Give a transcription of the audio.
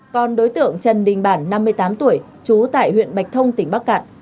còn đối tượng trần đình bản năm mươi tám tuổi trú tại huyện bạch thông tỉnh bắc cạn